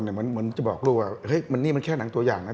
เหมือนจะบอกลูกว่าเฮ้ยมันนี่มันแค่หนังตัวอย่างนะ